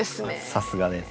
さすがです。